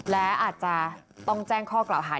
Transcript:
และอาจจะต้องแจ้งข้อกล่าวหา